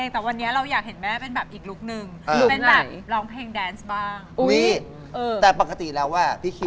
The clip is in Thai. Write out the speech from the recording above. ที่เราสามคนพูดกันมาสักครู่